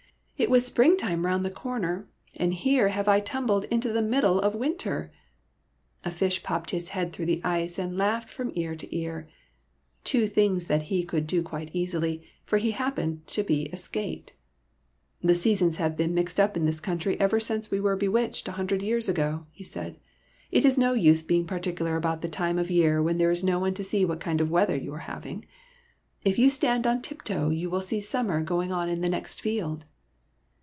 '' It was springtime round the corner, and here have I tumbled into the middle of winter !" A fish popped his head through the ice, and laughed from ear to ear, — two things that he could do quite easily, for he happened to be a skate. " The seasons have been mixed up in this country ever since we were bewitched, a hundred years ago,*' he said. "It is no use being particular about the time of year when there is no one to see what kind of weather you are having. If you stand on tiptoe you will see summer going on in the next field."